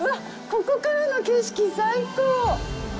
ここからの景色、最高。